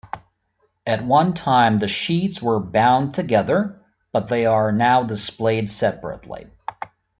At one time the sheets were bound together, but they are now displayed separately.